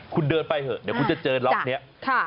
คุณเดินไปเถอะเดี๋ยวคุณจะเจอล็อกนี้